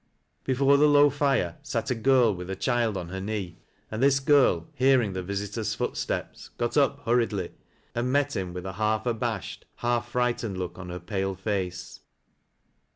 Before the low fire sat a girl witli a child on her knee, and this girl hearing the visitor's footsteps, got up hurriedly, and md him with a half abashed, half frightened look on her i)alc Pace.